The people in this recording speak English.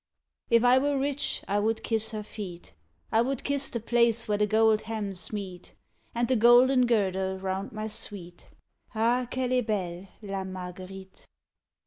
_ If I were rich I would kiss her feet; I would kiss the place where the gold hems meet, And the golden girdle round my sweet: _Ah! qu'elle est belle La Marguerite.